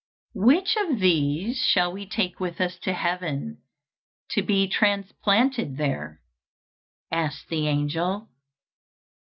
"Which of these shall we take with us to heaven to be transplanted there?" asked the angel.